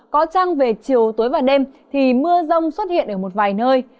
có trăng về chiều tối và đêm thì mưa rông xuất hiện ở một vài nơi